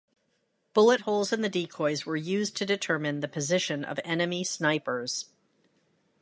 Bullet holes in the decoys were used to determine the position of enemy snipers.